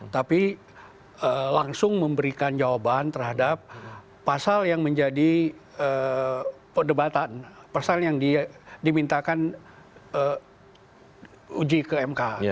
tapi langsung memberikan jawaban terhadap pasal yang menjadi perdebatan pasal yang dimintakan uji ke mk